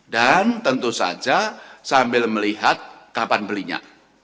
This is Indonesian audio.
dan tentu saja sambil melihat kapan belinya